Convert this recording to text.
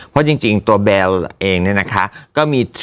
เพราะจริงตัวเบลเองเนี่ยนะคะก็มี